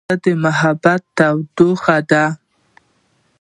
زړه د محبت تودوخه ده.